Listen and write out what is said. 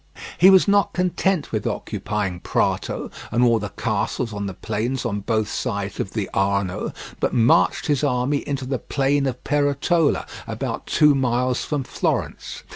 He was not content with occupying Prato and all the castles on the plains on both sides of the Arno, but marched his army into the plain of Peretola, about two miles from Florence.